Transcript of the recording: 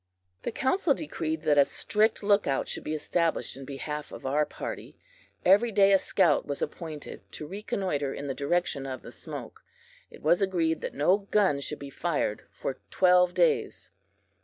The council decreed that a strict look out should be established in behalf of our party. Every day a scout was appointed to reconnoitre in the direction of the smoke. It was agreed that no gun should be fired for twelve days.